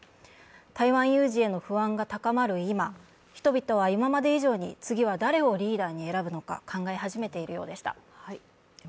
台湾有事への不安が高まる今、人々は今まで以上に誰をリーダーに選ぶのか、考え始めているようでした。